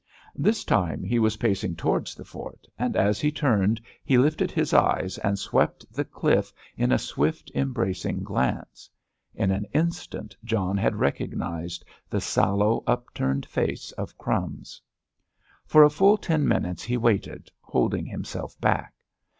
This time he was pacing towards the fort, and as he turned he lifted his eyes, and swept the cliff in a swift, embracing glance. In an instant John had recognised the sallow, upturned face of "Crumbs." For a full ten minutes he waited, holding himself back.